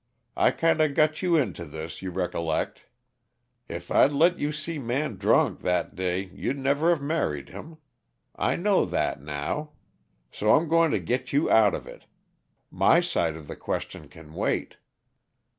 I kinda got you into this, you recollect? If I'd let you see Man drank, that day, you'd never have married him; I know that now. So I'm going to get you out of it. My side of the question can wait."